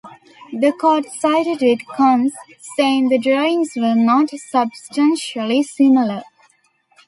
The court sided with Kunz saying the drawings were not "substantially similar".